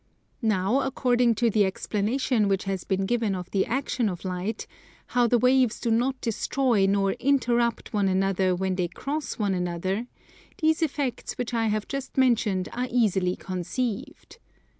Now according to the explanation which has been given of the action of light, how the waves do not destroy nor interrupt one another when they cross one another, these effects which I have just mentioned are easily conceived.